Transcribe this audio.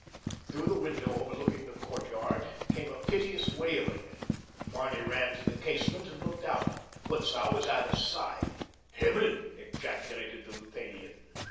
Through the window overlooking the courtyard came a piteous wailing. Barney ran to the casement and looked out. Butzow was at his side. "Himmel!" ejaculated the Luthanian.